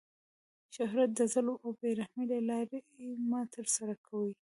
شهرت د ظلم او بې رحمۍ له لاري مه ترسره کوئ!